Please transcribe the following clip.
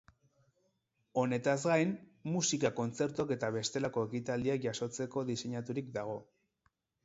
Honetaz gain, musika kontzertuak eta bestelako ekitaldiak jasotzeko diseinaturik dago.